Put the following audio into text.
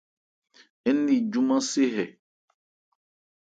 Ń ni júmán se hɛ.